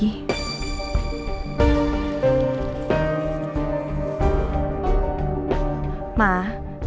di dalam rumah ini